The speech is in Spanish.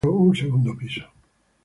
Años más tarde se añadió un segundo piso.